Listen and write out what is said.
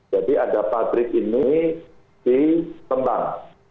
jadi ada pabrik ini di sembang